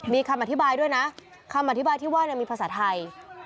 มีคำอธิบายด้วยนะคำอธิบายที่ว่ามีภาษาไทย